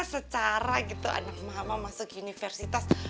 secara gitu anak mama masuk universitas